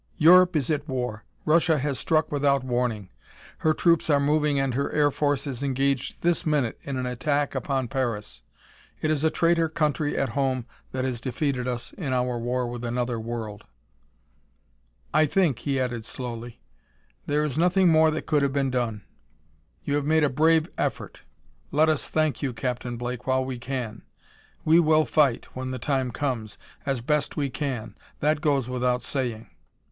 "Europe is at war. Russia has struck without warning; her troops are moving and her air force is engaged this minute in an attack upon Paris. It is a traitor country at home that has defeated us in our war with another world." "I think," he added slowly, "there is nothing more that could have been done: you have made a brave effort. Let us thank you, Captain Blake, while we can. We will fight, when the time comes, as best we can; that goes without saying."